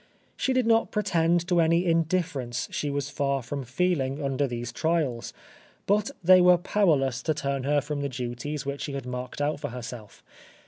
She did not pretend to any indifference she was far from feeling under these trials; but they were powerless to turn her from the duties which she had marked out for herself.